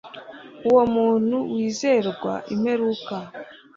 uwo muntu wizerwa imperuka